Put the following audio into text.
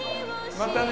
またね！